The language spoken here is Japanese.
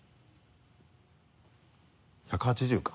１８０か。